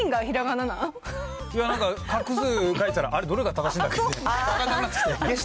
いや、なんか書いたら、あれ、どれが正しいんだっけ？と。